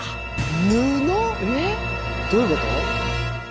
えっ？どういうこと？